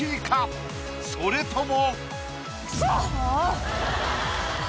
それとも。